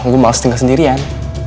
gue males tinggal sendirian